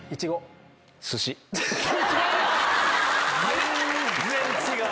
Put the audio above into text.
全然違う。